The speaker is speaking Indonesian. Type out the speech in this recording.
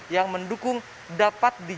yang mendukung dapatnya